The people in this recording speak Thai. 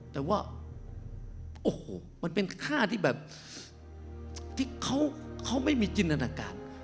แต่ว่าโอ้โหมันเป็นค่าที่แบบที่เขาไม่มีจินตนาการ